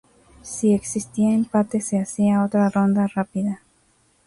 Si existía empate, se hacía otra ronda rápida.